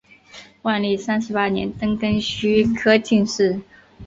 万历三十八年登庚戌科进士。